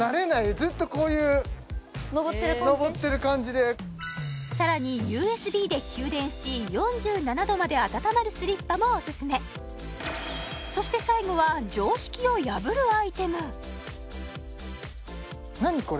ずっとこういう上ってる感じでさらにＵＳＢで給電し４７度まで温まるスリッパもお薦めそして最後は常識を破るアイテム何これ？